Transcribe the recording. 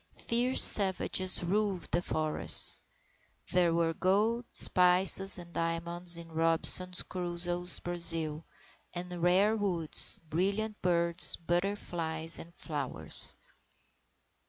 Fierce savages roved the forests. There were gold, spices, and diamonds in Robinson Crusoe's Brazils, and rare woods, brilliant birds, butterflies, and flowers.